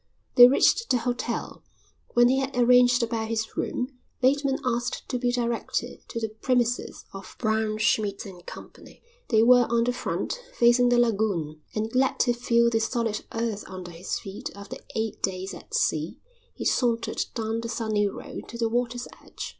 They reached the hotel. When he had arranged about his room Bateman asked to be directed to the premises of Braunschmidt & Co. They were on the front, facing the lagoon, and, glad to feel the solid earth under his feet after eight days at sea, he sauntered down the sunny road to the water's edge.